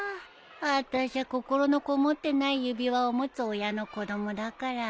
あたしゃ心のこもってない指輪を持つ親の子供だから。